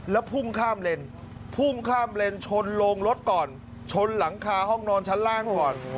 แล้วพุ่งข้ามเลนพุ่งข้ามเลนชนโรงรถก่อนชนหลังคาห้องนอนชั้นล่างก่อน